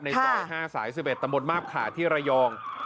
ในจ่อย๕สาย๑๑ตะบนมาบขาที่ระยอง